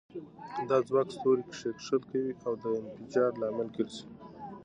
دا ځواک ستوري کښیکښل کوي او د انفجار لامل ګرځي.